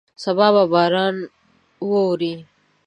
سبا به باران ووري.